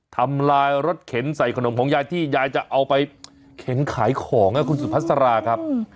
ทำลายรถเข็นใส่ขนมของยายที่ยายจะเอาไปเข็นขายของคุณสุพัสราครับ